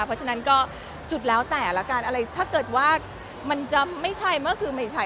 เพราะฉะนั้นก็สุดแล้วแต่ละกันอะไรถ้าเกิดว่ามันจะไม่ใช่ก็คือไม่ใช่